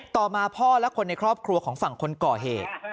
ต่อมาพ่อและคนในครอบครัวของฝั่งคนก่อเหตุ